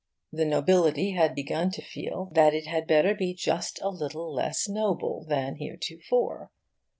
The Nobility had begun to feel that it had better be just a little less noble than heretofore.